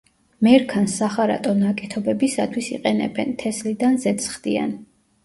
მერქანს სახარატო ნაკეთობებისათვის იყენებენ, თესლიდან ზეთს ხდიან.